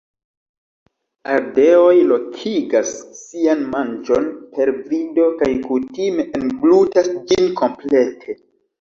Ardeoj lokigas sian manĝon per vido kaj kutime englutas ĝin komplete.